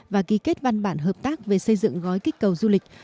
và ký kết văn bản hợp tác về xây dựng gói kích cầu du lịch